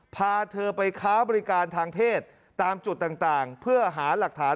พาเธอไปค้าบริการทางเพศตามจุดต่างเพื่อหาหลักฐาน